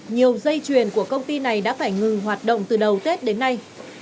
nhiều dây chuyền của công ty này đã phải ngừng hoạt động từ đầu tết đến nay